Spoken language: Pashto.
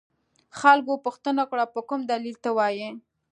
خلکو پوښتنه وکړه په کوم دلیل ته وایې.